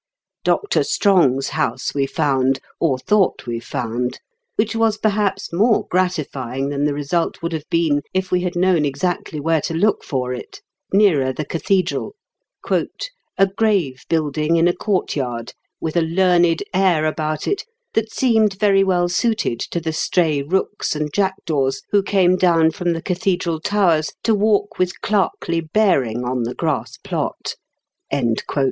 Dr. Strong's house we found, or thought we found, (which was perhaps more gratifying than the result would have been if we had known exactly where to look for it), nearer the cathedral, "a grave building in a courtyard, with a learned air about it that seemed very well suited to the stray rooks and jackdaws who came down from the cathedral towers to walk with clerkly bearing on the grass plot."